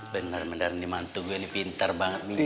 bener bener ini mantu gue ini pintar banget ini